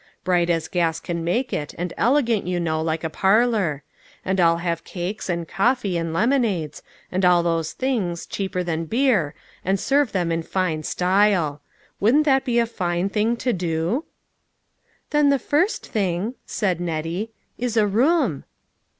Bright as gas can make it, and ele gant, you know, like a parlor; and I'll have cakes, and coffee, and lemonades, and all those things, cheaper than beer, and serve them in fine style. Wouldn't that be a fine thing to do ?" "Then the first thing," said Nettie, "is a room."